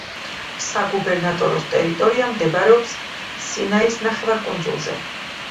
საგუბერნატოროს ტერიტორია მდებარეობს სინაის ნახევარკუნძულზე.